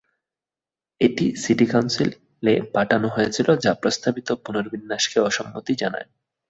এটি সিটি কাউন্সিলে পাঠানো হয়েছিল যা প্রস্তাবিত পুনর্বিন্যাসকে অসম্মতি জানায়।